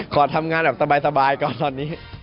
ขอทำงานแบบสบายก่อนตอนนี้